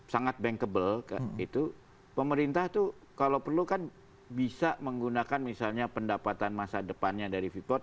sangat bankable itu pemerintah tuh kalau perlu kan bisa menggunakan misalnya pendapatan masa depannya dari freeport